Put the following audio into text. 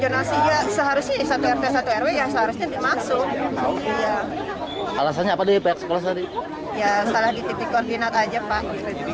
ya salah di titik koordinat aja pak